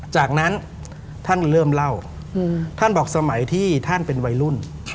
จากนั้นท่านเริ่มเล่าท่านบอกสมัยที่ท่านเป็นวัยรุ่น